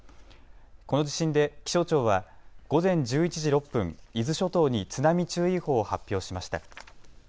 この地震で気象庁は午前１１時６分、伊豆諸島に津波注意報を発表しました。